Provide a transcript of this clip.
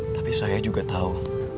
tapi saya juga tau